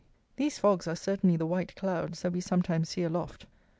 These fogs are certainly the white clouds that we sometimes see aloft.